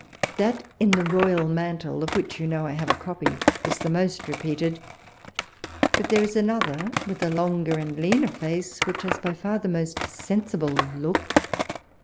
That in the royal mantle, of which you know I have a copy, is the most repeated ; but there is another with a longer and leaner face, which has by far the most sensible look.